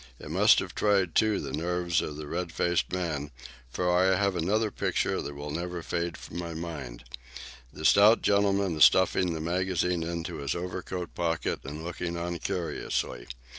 It must have tried, too, the nerves of the red faced man, for I have another picture which will never fade from my mind. The stout gentleman is stuffing the magazine into his overcoat pocket and looking on curiously.